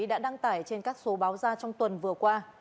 đã đăng tải trên các số báo ra trong tuần vừa qua